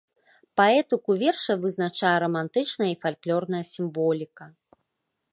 Паэтыку верша вызначае рамантычная і фальклорная сімволіка.